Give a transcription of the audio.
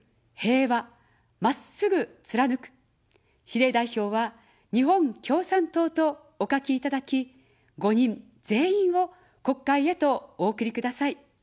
比例代表は日本共産党とお書きいただき、５人全員を国会へとお送りください。